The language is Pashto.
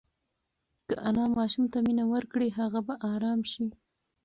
که انا ماشوم ته مینه ورکړي، هغه به ارام شي.